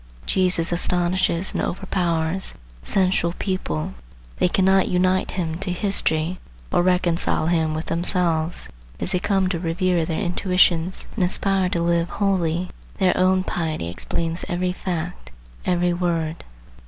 Jesus astonishes and overpowers sensual people. They cannot unite him to history, or reconcile him with themselves. As they come to revere their intuitions and aspire to live holily, their own piety explains every fact, every word.